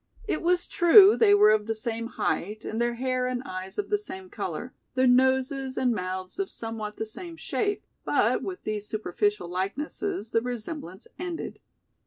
It was true they were of the same height and their hair and eyes of the same color, their noses and mouths of somewhat the same shape, but with these superficial likenesses the resemblance ended.